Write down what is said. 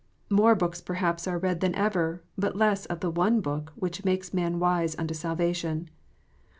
More books perhaps are read than ever, but less of the one Book which makes man wise unto salvation.